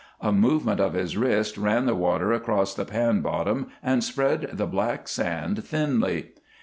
A movement of his wrist ran the water across the pan bottom and spread the black sand thinly.